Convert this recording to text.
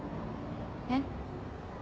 えっ？